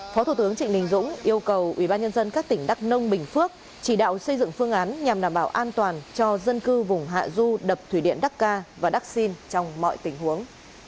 phó thủ tướng trịnh đình dũng yêu cầu ubnd các tỉnh đắk nông bình phước chỉ đạo xây dựng phương án nhằm đảm bảo an toàn cho dân cư vùng hạ du đập thủy điện đắc ca và đắc xin trong mọi tình huống